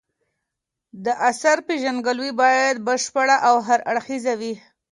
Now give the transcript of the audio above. د اثر پېژندګلوي باید بشپړه او هر اړخیزه وي.